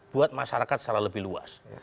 buat masyarakat secara lebih luas